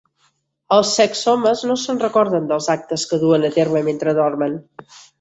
Els sexsomnes no se'n recorden dels actes que duen a terme mentre dormen.